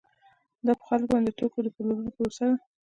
دا په خلکو باندې د توکو د پلورلو پروسه ده